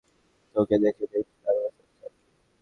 তোকে দেখে বেশ নার্ভাস লাগছে আরকি।